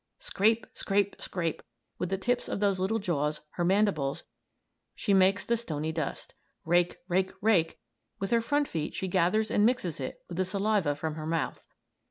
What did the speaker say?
Scrape! Scrape! Scrape! With the tips of those little jaws, her mandibles, she makes the stony dust. Rake! Rake! Rake! With her front feet she gathers and mixes it with the saliva from her mouth.